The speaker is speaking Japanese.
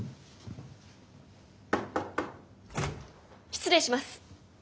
失礼します。